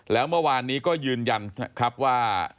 แล้วเมื่อวานนี้ก็ยืนยันนะครับว่า